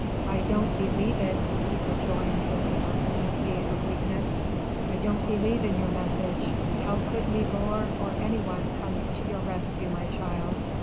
"I don't believe it," he rejoined with the obstinacy of weakness. "I don't believe in your message ... how could milor or anyone come to your rescue, my child?...